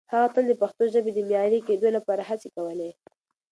هغه تل د پښتو ژبې د معیاري کېدو لپاره هڅې کولې.